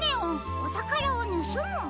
おたからをぬすむ」？